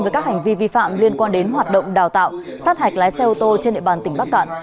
với các hành vi vi phạm liên quan đến hoạt động đào tạo sát hạch lái xe ô tô trên địa bàn tỉnh bắc cạn